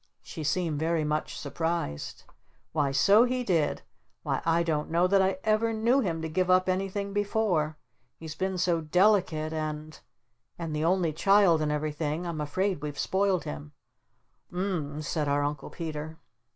She seemed very much surprised. "Why so he did! Why I don't know that I ever knew him to give up anything before. He's been so delicate and and the only child and everything I'm afraid we've spoiled him." "U m m," said our Uncle Peter.